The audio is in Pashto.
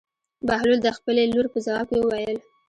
بهلول د خپلې لور په ځواب کې وویل.